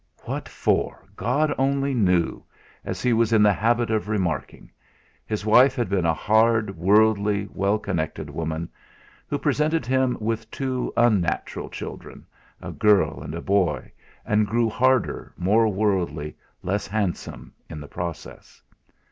What for? God only knew! as he was in the habit of remarking. His wife had been a hard, worldly, well connected woman, who presented him with two unnatural children, a girl and a boy, and grew harder, more worldly, less handsome, in the process.